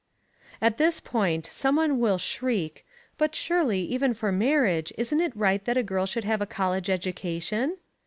At this point some one will shriek: "But surely, even for marriage, isn't it right that a girl should have a college education?"